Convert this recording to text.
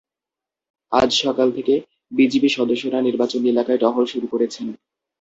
আজ সকাল থেকে বিজিবি সদস্যরা নির্বাচনী এলাকায় টহল শুরু করেছেন।